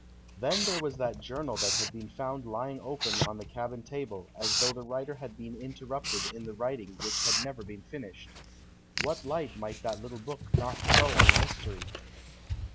Then there was that journal that had been found lying open on the cabin table, as though the writer had been interrupted in the writing which had never been finished. What light might that little book not throw on the mystery?